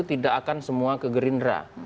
tidak akan semua ke gerindra